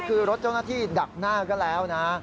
คือรถเจ้าหน้าที่ดักหน้าก็แล้วนะ